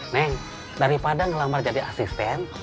nih daripada ngelamar jadi asisten